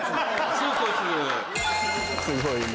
すごいな。